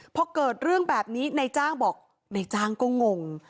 พอเกิดเรื่องแบบนี้นายจ้างบอกนายจ้างก็งง